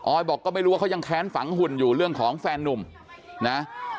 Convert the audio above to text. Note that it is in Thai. บอกก็ไม่รู้ว่าเขายังแค้นฝังหุ่นอยู่เรื่องของแฟนนุ่มนะ